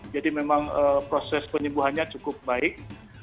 jadi memang proses penyembuhannya cukup baik